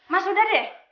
mas udah deh